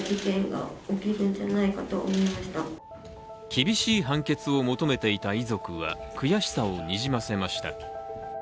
厳しい判決を求めていた遺族は悔しさをにじませました。